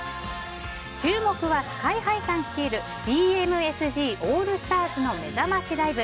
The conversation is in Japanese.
注目はＳＫＹ‐ＨＩさん率いるＢＭＳＧＡＬＬＳＴＡＲＳのめざましライブ。